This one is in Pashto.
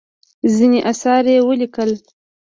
ځینې اثار یې ولیکل.